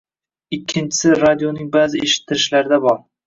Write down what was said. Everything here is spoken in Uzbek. Ikkinchisi, radioning ba’zi eshittirishlarida bor.